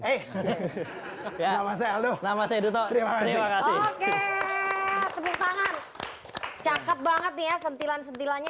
eh ya mas eldo nama saya duto terima kasih oke tepuk tangan cakep banget nih ya sentilan sentilannya